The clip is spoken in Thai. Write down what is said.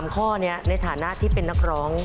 ข้อนี้ในฐานะที่เป็นนักร้อง